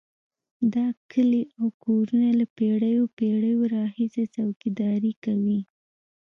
دا کلي او کورونه له پېړیو پېړیو راهیسې څوکیداري کوي.